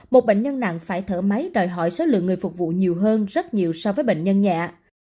một bệnh nhân nặng phải thở máy đòi hỏi số lượng người phục vụ nhiều hơn rất nhiều so với bệnh nhân nhẹ